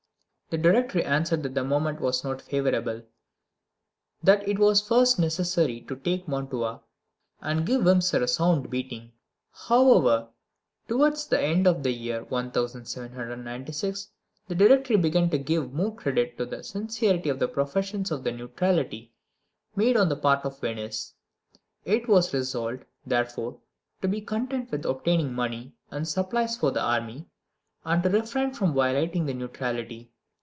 The Directory answered that the moment was not favourable; that it was first necessary to take Mantua, and give Wurmser a sound beating. However, towards the end of the year 1796 the Directory began to give more credit to the sincerity of the professions of neutrality made on the part of Venice. It was resolved, therefore, to be content with obtaining money and supplies for the army, and to refrain from violating the neutrality.